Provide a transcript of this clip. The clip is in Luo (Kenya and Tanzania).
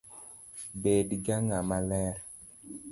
Bed ga ng’ama ler